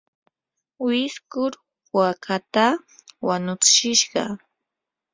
wiskur waakata wanutsishqa.